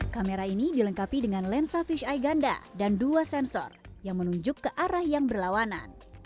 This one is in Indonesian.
kamera ini dilengkapi dengan lensa fish eye ganda dan dua sensor yang menunjuk ke arah yang berlawanan